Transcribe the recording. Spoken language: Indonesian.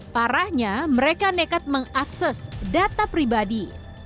parahnya mereka nekat mengakses data pribadi